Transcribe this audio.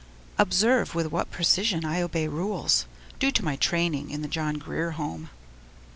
Observe with what precision I obey rules due to my training in the John Grier Home.